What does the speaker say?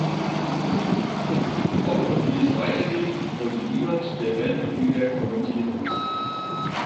Ob und wie es weitergeht wollte niemand der Bandmitglieder kommentieren.